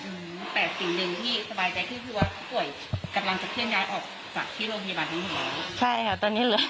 แต่สิ่งหนึ่งที่สบายใจขึ้นคือว่าผู้ป่วยกำลังจะเคลื่อนย้ายออกจากที่โรงพยาบาลนี้หรือเปล่า